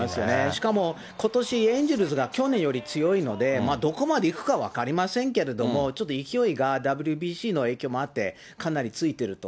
しかも、ことし、エンゼルスが去年より強いので、どこまでいくか分かりませんけれども、ちょっと勢いがＷＢＣの影響もあって、かね。